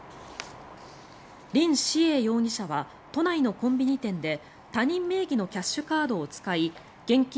リン・シエイ容疑者は都内のコンビニ店で他人名義のキャッシュカードを使い現金